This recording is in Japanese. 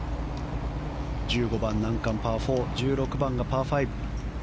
１５番、難関パー４１６番がパー５。